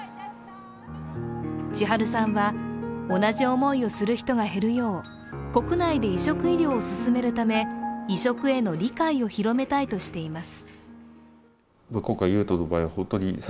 智春さんは同じ思いをする人が減るよう国内で移植医療を進めるため移植への理解を広めたいとしています。